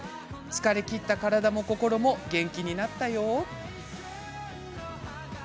疲れ切った体も心も元気になったよ。